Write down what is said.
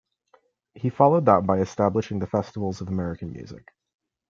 He followed that by establishing the Festivals of American Music.